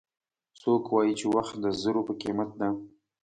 څوک وایي چې وخت د زرو په قیمت ده